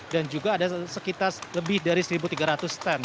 dan juga ada sekitar lebih dari satu tiga ratus stand